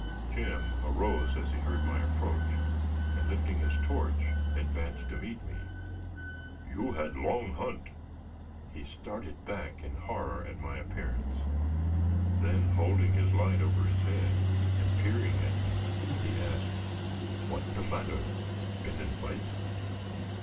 Jim arose as he heard my approach, and, lifting his torch, advanced to meet me. "You had long hunt " He started back in horror at my appearance. Then, holding his light over his head, and peering at me, he asked: "What de matter? Been in fight?"